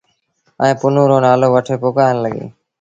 ائيٚݩ پنهون رو نآلو وٺي پُڪآرڻ لڳيٚ۔